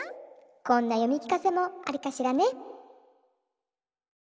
こんなよみきかせもあるかしらね。